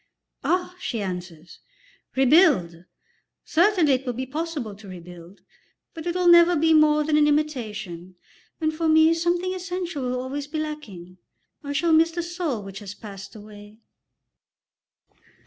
"Ah," she answers, "rebuild! Certainly it will be possible to rebuild, but it will never be more than an imitation, and for me something essential will always be lacking. I shall miss the soul which has passed away."